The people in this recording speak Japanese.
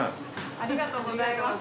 ありがとうございます。